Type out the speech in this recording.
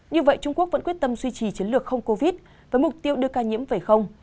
như vậy trung quốc vẫn quyết tâm duy trì chiến lược không covid với mục tiêu đưa ca nhiễm về không